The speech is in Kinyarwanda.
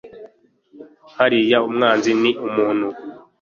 buriya umwanzi ni umuntu